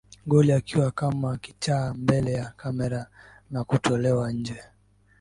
Goli akiwa kama kichaa mbele ya kamera na kutolewa nje